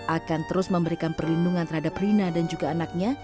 akan terus memberikan perlindungan terhadap rina dan juga anaknya